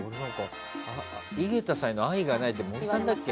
井桁さんへの愛がないって森さんだっけ？